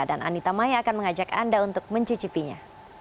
dan anita maya akan mengajak anda untuk mencicipinya